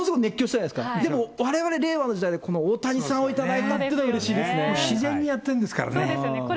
で、ものすごく熱狂したじゃないですか、われわれ令和の時代、この大谷さんを頂いたっていうのは自然にやってるんですからね。